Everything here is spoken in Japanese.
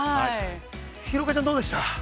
◆廣岡ちゃん、どうでした？